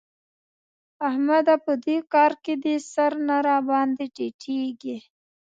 احمده! په دې کار کې دي سر نه راباندې ټيټېږي.